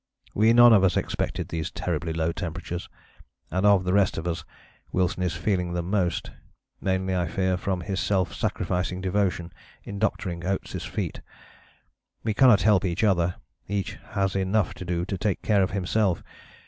We none of us expected these terribly low temperatures, and of the rest of us, Wilson is feeling them most; mainly, I fear, from his self sacrificing devotion in doctoring Oates' feet. We cannot help each other, each has enough to do to take care of himself.